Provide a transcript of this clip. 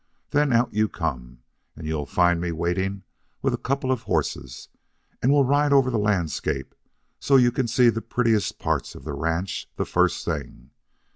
Then out you come, and you find me waiting with a couple of horses, and we'll ride over the landscape so as you can see the prettiest parts of the ranch the first thing.